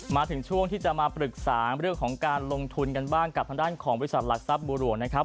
มาถึงช่วงที่จะมาปรึกษาเรื่องของการลงทุนกันบ้างกับทางด้านของบริษัทหลักทรัพย์บัวหลวงนะครับ